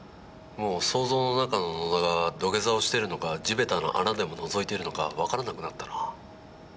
もう想像の中の野田が土下座をしてるのか地べたの穴でものぞいてるのか分からなくなったな。